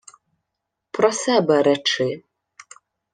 — Про себе речи.